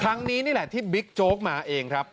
นี่แหละที่บิ๊กโจ๊กมาเองครับ